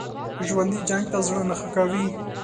ژوندي جنګ ته زړه نه ښه کوي